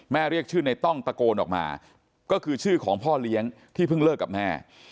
เรียกชื่อในต้องตะโกนออกมาก็คือชื่อของพ่อเลี้ยงที่เพิ่งเลิกกับแม่